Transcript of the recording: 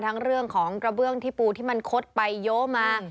เรื่องของกระเบื้องที่ปูที่มันคดไปโยมา